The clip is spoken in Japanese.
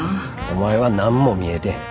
お前は何も見えてへん。